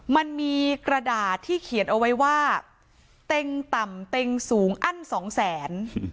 มันมีกระดาษที่เขียนเอาไว้ว่าเต็งต่ำเต็งสูงอั้นสองแสน